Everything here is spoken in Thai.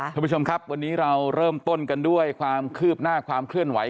ท่านผู้ชมครับวันนี้เราเริ่มต้นกันด้วยความคืบหน้าความเคลื่อนไหว